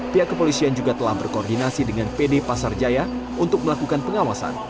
pihak kepolisian juga telah berkoordinasi dengan pd pasar jaya untuk melakukan pengawasan